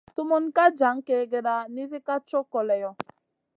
Sumun ka jan kègèda nizi ma co koleyo.